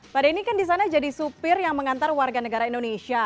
pak denny kan di sana jadi supir yang mengantar warga negara indonesia